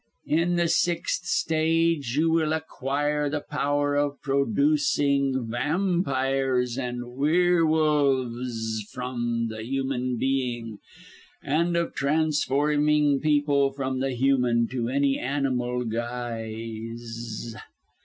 "In the sixth stage you will acquire the power of producing vampires and werwolves from the human being, and of transforming people from the human to any animal guise.